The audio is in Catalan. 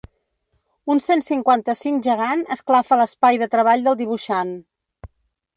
Un cent cinquanta-cinc gegant esclafa l’espai de treball del dibuixant.